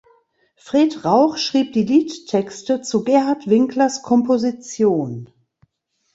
Fred Rauch schrieb die Liedtexte zu Gerhard Winklers Komposition.